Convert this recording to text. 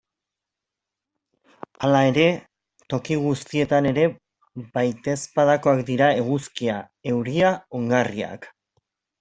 Hala ere, toki guztietan ere baitezpadakoak dira eguzkia, euria, ongarriak...